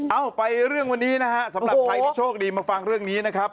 เอาไปเรื่องวันนี้นะฮะสำหรับใครที่โชคดีมาฟังเรื่องนี้นะครับ